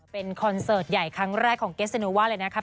เป็นคอนเซิร์ตใหญ่ครั้งแรกของเกษตรีเนอร์ว่าเลยนะคะ